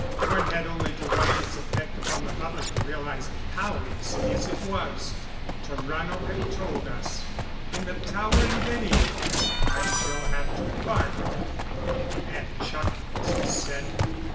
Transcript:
One had only to watch its effect upon the public to realize how insidious it was. Tarrano had told us in the tower in Venia: "I shall have to bargain with them." And chuckled as he said it.